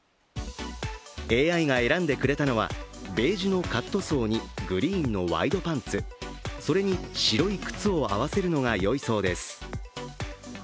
ＡＩが選んでくれたのは、ベージュのカットソーにグリーンのワイドパンツ、それに白い靴を合わせるのが良いそうです。